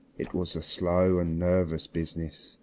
It was a slow and nervous business.